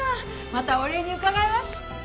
またお礼に伺いま。